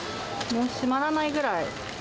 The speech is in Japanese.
もう閉まらないぐらい。